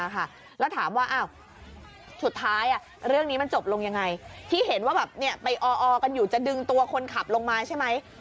คันนี้โดนร้องขนาดนี้ยังสู้ไอ้นายใช่ไหม